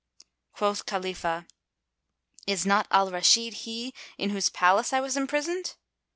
Quoth Khalifah, "Is not Al Rashid he in whose Palace I was imprisoned?"